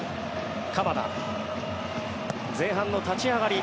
前半の立ち上がり